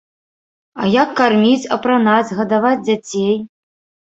А як карміць, апранаць, гадаваць дзяцей?